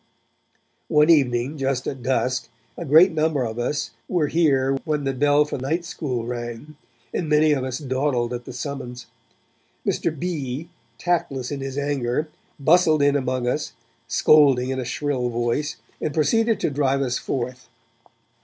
One evening, just at dusk, a great number of us were here when the bell for night school rang, and many of us dawdled at the summons. Mr. B., tactless in his anger, bustled in among us, scolding in a shrill voice, and proceeded to drive us forth.